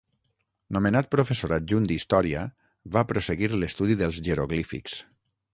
Nomenat professor adjunt d'història, va prosseguir l'estudi dels jeroglífics.